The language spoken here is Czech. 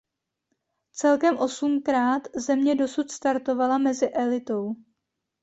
Celkem osmkrát země dosud startovala mezi elitou.